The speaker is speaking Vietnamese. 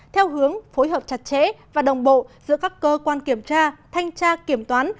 theo hướng phối hợp chặt chẽ và đồng bộ giữa các cơ quan kiểm tra thanh tra kiểm toán